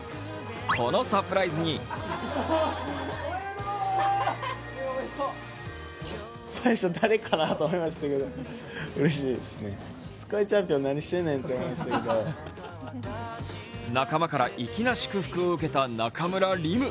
このサプライズに仲間から粋な祝福を受けた中村輪夢。